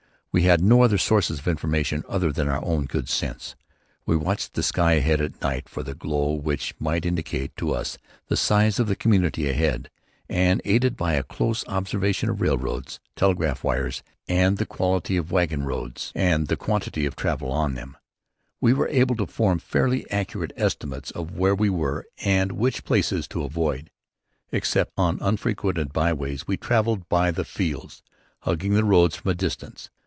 We had no other sources of information than our own good sense. We watched the sky ahead at night for the glow which might indicate to us the size of the community ahead; and aided by a close observation of railroads, telegraph wires and the quality of the wagon roads and the quantity of travel on them, were able to form fairly accurate estimates of where we were and which places to avoid. Except on unfrequented byways we travelled by the fields, hugging the road from a distance.